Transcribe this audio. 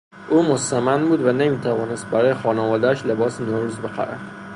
او مستمند بود و نمیتوانست برای خانوادهاش لباس نوروز بخرد.